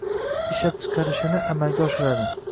ishlab chiqilishini amalga oshiradi;